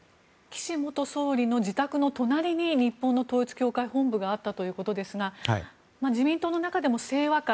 岸元総理の自宅の隣に日本の統一教会本部があったということですが自民党の中でも清和会